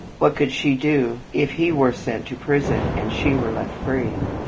What could she do if he were sent to prison and she were left free?